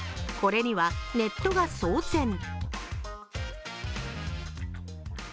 これにはネットが騒然。